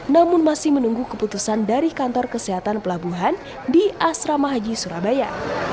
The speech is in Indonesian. namun masih menunggu keputusan dari kantor kesehatan pelabuhan di asrama haji surabaya